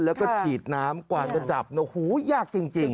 แล้วก็ฉีดน้ำกว่าจะดับโอ้โหยากจริง